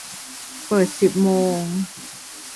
เปิดสิบโมง